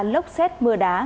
lốc xét mưa đá